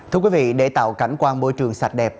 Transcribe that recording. thưa quý vị để tạo cảnh quan môi trường sạch đẹp